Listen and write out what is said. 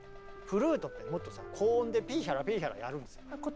フルートってもっとさ高音でピーヒャラピーヒャラやるんですよ。